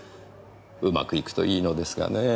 うまくいくといいのですがねぇ。